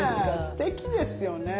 すてきですよね。